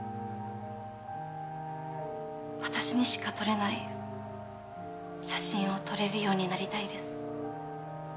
私にしか撮れない写真を撮れるようになりたいです。